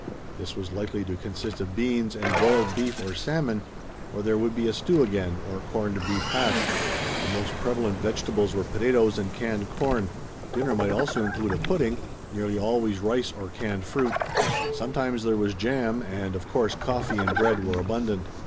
This was likely to consist of beans and boiled beef or salmon, or there would be a stew again or corned beef hash. The most prevalent vegetables were potatoes and canned corn. Dinner might also include a pudding, nearly always rice or canned fruit. Sometimes there was jam and, of course, coffee and bread were abundant.